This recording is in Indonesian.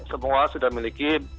semua sudah miliki